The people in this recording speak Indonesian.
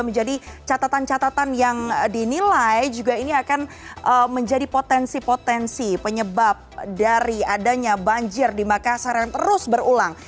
menjadi catatan catatan yang dinilai juga ini akan menjadi potensi potensi penyebab dari adanya banjir di makassar yang terus berulang